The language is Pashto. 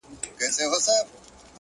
پوهه د شک پر ځای وضاحت راولي!